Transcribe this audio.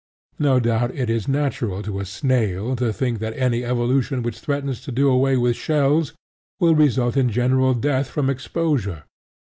No doubt it is natural to a snail to think that any evolution which threatens to do away with shells will result in general death from exposure.